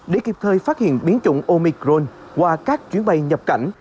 để kịp thời phát hiện biến chủng omicron qua các chuyến bay nhập cảnh